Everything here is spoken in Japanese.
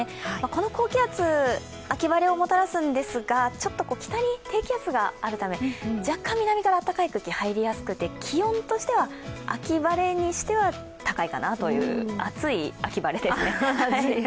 この高気圧、秋晴れをもたらすんですがちょっと北に低気圧があるため、若干南から暖かい空気が入りやすくて気温としては秋晴れにしては高いかなという暑い秋晴れですね。